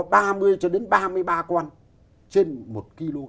thế cho đến ba mươi ba con trên một kg